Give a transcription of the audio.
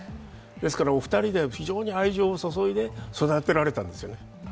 ですからお二人で非常に愛情を注いで育てられたんです。